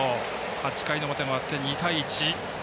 ８回の表終わって２対１。